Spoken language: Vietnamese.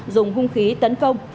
dùng hung khí tấn công